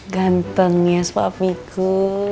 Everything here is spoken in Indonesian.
ganteng ya sepapiku